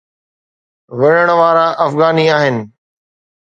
وڙهڻ وارا افغاني آهن.